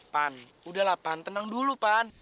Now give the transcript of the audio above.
pan udahlah pan tenang dulu pan